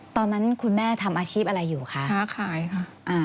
ตอนนั้นคุณแม่ทำอาชีพอะไรอยู่คะค้าขายค่ะอ่า